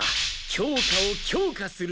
教科を強化する？